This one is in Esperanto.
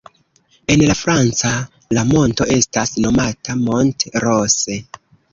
En la franca, la monto estas nomata "Mont Rose".